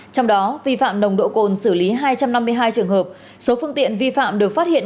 trong đó vi phạm nồng độ cồn xử lý hai trăm năm mươi hai trường hợp số phương tiện vi phạm được phát hiện